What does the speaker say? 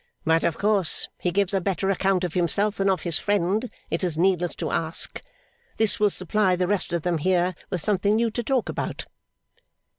But, of course, he gives a better account of himself than of his friend; it is needless to ask. This will supply the rest of them here with something new to talk about.